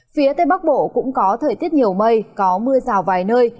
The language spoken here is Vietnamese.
phía tây bắc bộ cũng có thời tiết nhiều mây có mưa rào vài nơi